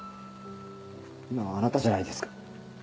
今はあなたじゃないですか。